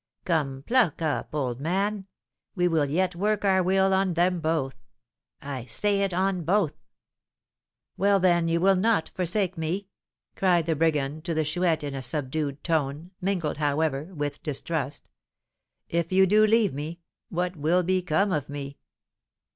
Come, pluck up, old man; we will yet work our will on them both. I say it, on both!" "Well, then, you will not forsake me?" cried the brigand to the Chouette in a subdued tone, mingled, however, with distrust. "If you do leave me, what will become of me?"